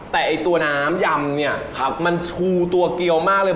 แต่ไอ้ตัวน้ำยำเนี่ยมันชูตัวเกียวมากเลย